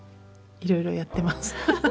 いろいろやってます。